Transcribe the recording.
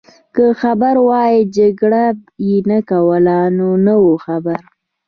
که خبر وای جګړه يې نه کول، نو نه وو خبر.